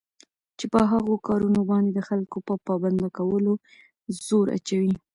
چې په هغو كارونو باندي دخلكوپه پابند كولو زور اچوي